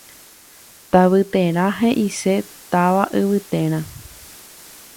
Tavyterã heʼise “táva yvyteerã”.